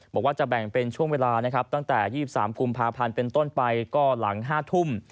บอกว่าจะแบ่งเป็นช่วงเวลานะครับตั้งแต่๒๓กุมภาพันธ์เป็นต้นไปก็หลัง๕ทุ่ม